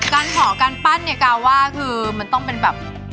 การขอการปั้นเนี่ยกาวว่าคือมันต้องเป็นแบบ